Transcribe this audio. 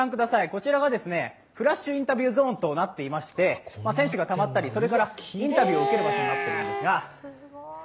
こちらはフラッシュインタビューゾーンとなっていまして選手がたまったり、インタビューを受ける場所になっているんですが。